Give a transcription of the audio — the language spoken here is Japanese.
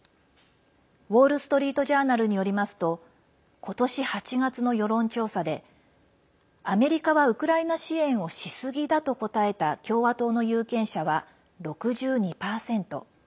ウォール・ストリート・ジャーナルによりますと今年８月の世論調査でアメリカはウクライナ支援をしすぎだと答えた共和党の有権者は６２％。